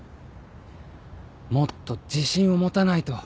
もっと自信を持たないと。